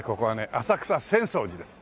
浅草浅草寺です。